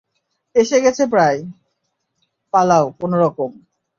প্রায় এসে গেছ, পালাও, কোনরকম!